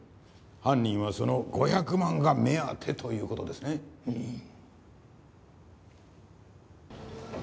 犯人はその５００万が目当てという事ですねうん。